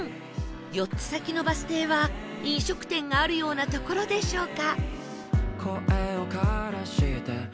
４つ先のバス停は飲食店があるような所でしょうか？